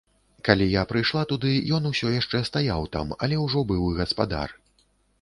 Калі я прыйшла туды, ён усё яшчэ стаяў там, але ўжо быў і гаспадар.